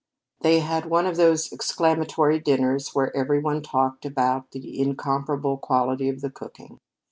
They had one of those exclamatory dinners where every one talked about the incomparable quality of the cooking.